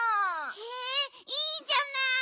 へえいいじゃない！